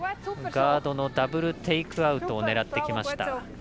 ガードのダブルテイクアウトを狙ってきました。